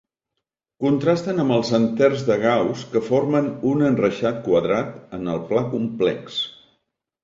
Contrasten amb els enters de Gauss que formen un enreixat quadrat en el pla complex.